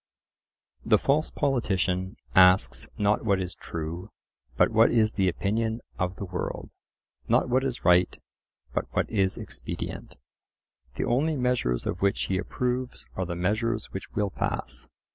The false politician asks not what is true, but what is the opinion of the world—not what is right, but what is expedient. The only measures of which he approves are the measures which will pass.